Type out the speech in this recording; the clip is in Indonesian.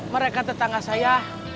mereka tetangga saya